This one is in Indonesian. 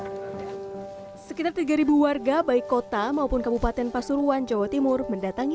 hai sekitar tiga ribu warga baik kota maupun kabupaten pasuruan jawa timur mendatangi